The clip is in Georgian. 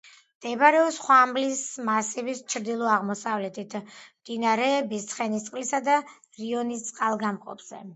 მდებარეობს ხვამლის მასივის ჩრდილო-აღმოსავლეთით, მდინარეების ცხენისწყლისა და რიონის წყალგამყოფზე.